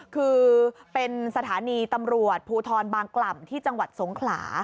คือเป็นสถานีตำรวจภูทรบางกล่ำที่จังหวัดสงขลา